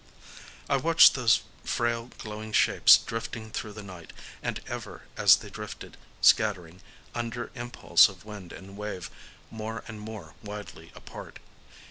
I watched those frail glowing shapes drifting through the night, and ever as they drifted scattering, under impulse of wind and wave, more and more widely apart.